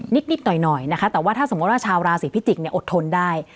นิดหน่อยนะคะแต่ว่าถ้าสมมุติว่าชาวราศีพิจิกษ์อดทนได้